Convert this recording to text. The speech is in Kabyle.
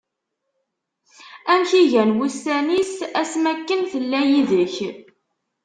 Amek i gan wussan-is, ass mi akken tella yid-k.